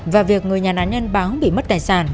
và việc người nhà nạn nhân báo bị mất tài sản